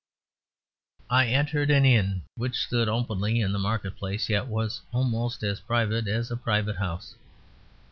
I entered an inn which stood openly in the market place yet was almost as private as a private house.